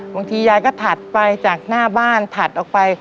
บางทียายก็ถัดไปจากหน้าบ้านถัดออกไป